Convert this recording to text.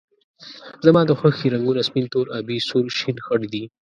زما د خوښې رنګونه سپین، تور، آبي ، سور، شین ، خړ دي